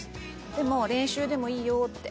「でも練習でもいいよって」